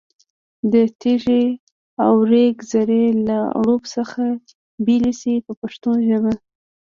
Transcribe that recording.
د تېږې او ریګ ذرې له اړوب څخه بېلې شي په پښتو ژبه.